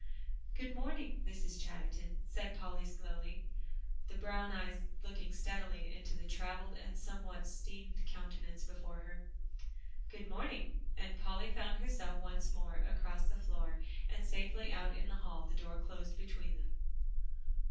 "Good morning, Mrs. Chatterton," said Polly slowly, the brown eyes looking steadily into the traveled and somewhat seamed countenance before her. "Good morning," and Polly found herself once more across the floor, and safely out in the hall, the door closed between them.